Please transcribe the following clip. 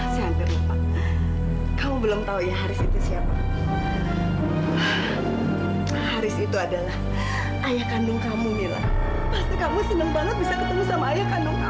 sampai jumpa di video selanjutnya